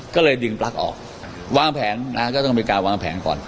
ก็เลยดึงปลั๊กออกวางแผนนะฮะก็ต้องเป็นการวางแผนก่อน